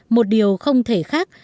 một điều không thể khác